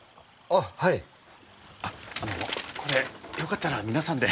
あっあのこれよかったら皆さんで。